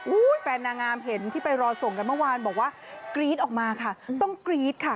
แฟนนางงามเห็นที่ไปรอส่งกันเมื่อวานบอกว่ากรี๊ดออกมาค่ะต้องกรี๊ดค่ะ